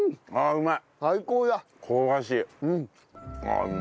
うまい！